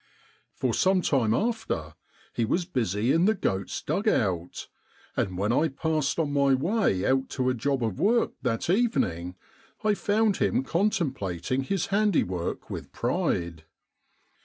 For some time after he was busy in the goat's dug out, and when I passed on my way out to a job of work that evening, I found him contemplating his handiwork with pride.